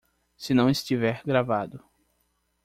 Se não estiver gravado